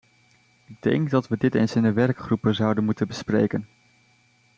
Ik denk dat we dit eens in de werkgroepen zouden moeten bespreken.